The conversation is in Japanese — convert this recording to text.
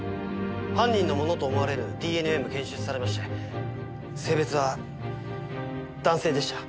犯人のものと思われるＤＮＡも検出されまして性別は男性でした。